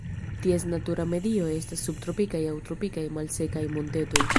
Ties natura medio estas subtropikaj aŭ tropikaj malsekaj montetoj.